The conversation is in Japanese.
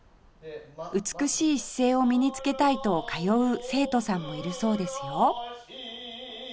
美しい姿勢を身につけたいと通う生徒さんもいるそうですよ